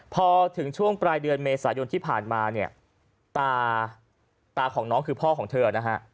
พอถึงช่วงปลายเดือนเมษายนที่ผ่านมาเนี่ยตาตาของน้องคือพ่อของเธอนะฮะ